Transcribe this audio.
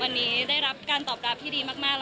วันนี้ได้รับการตอบรับที่ดีมาก